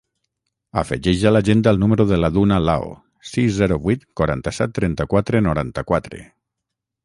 Afegeix a l'agenda el número de la Duna Lao: sis, zero, vuit, quaranta-set, trenta-quatre, noranta-quatre.